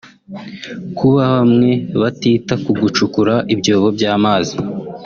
Kuba bamwe batita ku gucukura ibyobo by’amazi